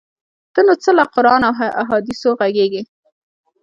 ته نو څه له قران او احادیثو ږغیږې؟!